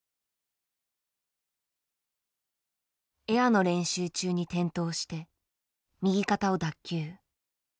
エアの練習中に転倒して右肩を脱臼。